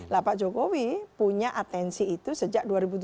lah pak jokowi punya atensi itu sejak dua ribu tujuh belas